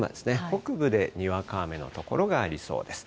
北部でにわか雨の所がありそうです。